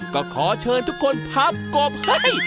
ก็ขอเชิญทุกคนพับกบเฮ้ย